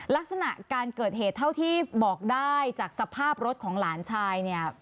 ลักษณะการเกิดเหตุเท่าที่บอกได้จากสภาพรถของหลานชายเนี่ย